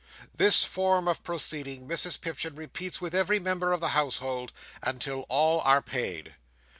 This form of proceeding Mrs Pipchin repeats with every member of the household, until all are paid.